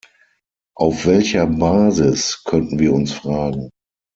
Auf welcher Basis, könnten wir uns fragen.